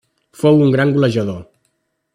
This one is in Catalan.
Fou un gran golejador.